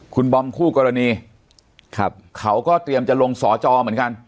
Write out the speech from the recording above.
คุณบอมคู่กรณีครับเขาก็เตรียมจะลงสอจอเหมือนกัน